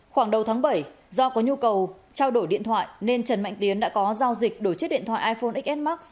khoảng đầu tháng bảy do có nhu cầu trao đổi điện thoại nên trần mạnh tiến đã có giao dịch đổi chiếc điện thoại iphone xs max